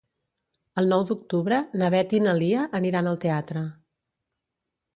El nou d'octubre na Beth i na Lia aniran al teatre.